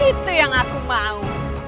itu yang aku mau